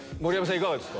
いかがですか？